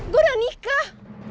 gue udah nikah